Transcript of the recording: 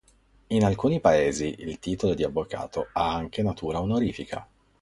In alcuni paesi il titolo di avvocato ha anche natura onorifica.